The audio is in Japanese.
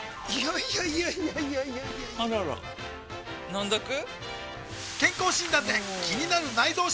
いやいやいやいやあらら飲んどく？